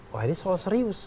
wah ini soal serius